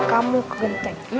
kamu ke genteng